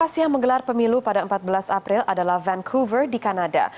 yang menggelar pemilu pada empat belas april adalah vancouver di kanada